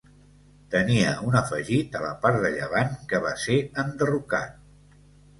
Tenia un afegit a la part de llevant que va ser enderrocat.